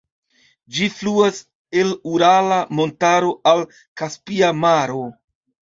Ĝi fluas el Urala montaro al Kaspia maro.